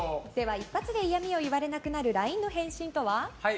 一発で嫌味を言われなくなるＬＩＮＥの返信とは？